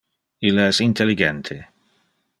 Ille es intelligente.